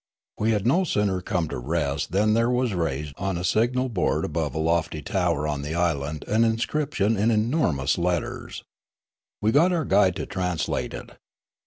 We had no sooner come to rest than there was raised on a signal board above a lofty tower on the island an inscription in enormous letters. We got our guide to translate it.